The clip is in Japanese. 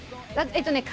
えっとね